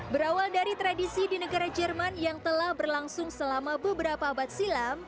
berawal dari tradisi di negara jerman yang telah berlangsung selama beberapa abad silam